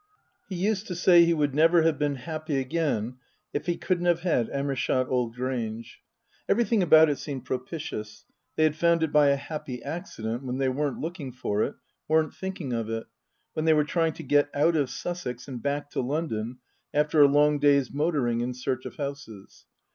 He used to say he would never have been happy again if he couldn't have had Amershott Old Grange. Every thing about it seemed propitious. They had found it by a happy accident when they weren't looking for it, weren't thinking of it, when they were trying to get out of Sussex and back to London after a long day's motoring in search of houses.